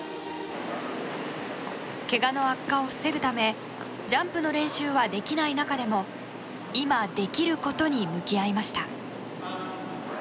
けがの悪化を防ぐためジャンプの練習はできない中でも今できることに向き合いました。